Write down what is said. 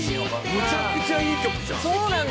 「めちゃくちゃいい曲じゃん」